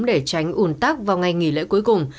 để tránh ủn tắc vào ngày nghỉ lễ cuối cùng